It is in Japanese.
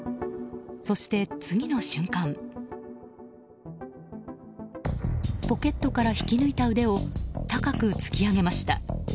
そして、次の瞬間ポケットから引き抜いた腕を高く突き上げました。